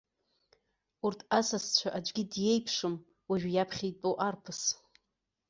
Урҭ асасцәа аӡәгьы диеиԥшым уажәы иаԥхьа итәоу арԥыс.